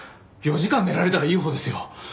４時間寝られたらいいほうですよ。